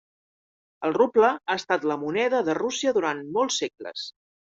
El ruble ha estat la moneda de Rússia durant molts segles.